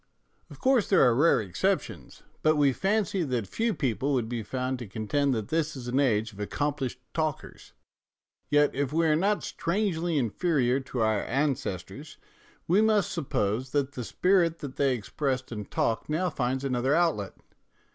Of course there are rare exceptions, but we fancy that few people would be found to contend that this is an age of accomplished talkers. Yet, if we are not strangely inferior to our ancestors, we must suppose that the spirit that they expressed in talk now finds another outlet.